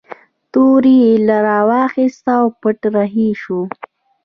توره یې راواخیستله او پټ رهي شو.